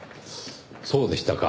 そうでしたか。